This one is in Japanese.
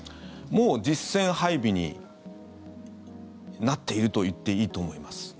もう実戦配備になっていると言っていいと思います。